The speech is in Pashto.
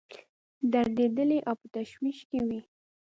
دردېدلي او په تشویش کې وي.